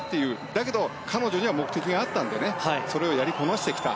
だけど彼女には目的があったのでそれをやりこなしてきた。